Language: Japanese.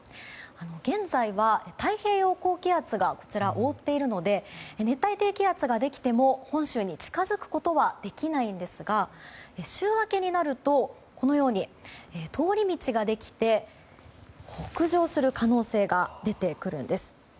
現在は太平洋高気圧が覆っているので熱帯低気圧ができても本州に近づくことはできないんですが週明けになると通り道ができて北上する可能性が出てくるんです。